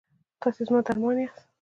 تاسې زما درمان یاست؟